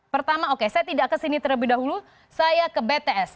pertama oke saya tidak kesini terlebih dahulu saya ke bts